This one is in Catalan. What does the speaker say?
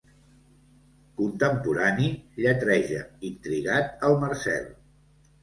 Contemporani, lletreja intrigat el Marcel.